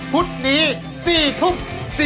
พุธนี้๔ทุ่ม